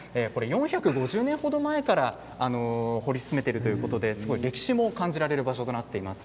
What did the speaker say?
４５０年前から掘り進めているということですごい歴史も感じられる場所となっています。